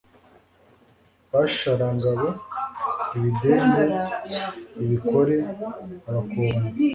basharangabo, ibidende, ibikore, abakobanyi,..